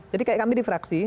jadi kayak kami di fraksi